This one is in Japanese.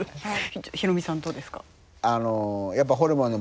ヒロミさんはどうですか？